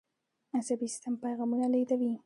عصبي سیستم پیغامونه لیږدوي